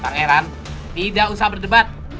pak heran tidak usah berdebat